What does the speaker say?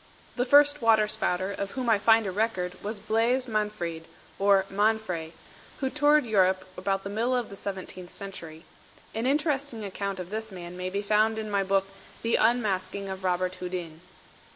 The first water spouter of whom I find a record was Blaise Manfrede or de Manfre, who toured Europe about the middle of the seventeenth century. An interesting account of this man may be found in my book The Unmasking of Robert Houdin.